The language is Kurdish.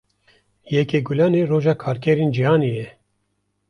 Yekê Gulanê, roja karkerên cîhanê ye